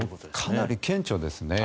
かなり顕著ですね。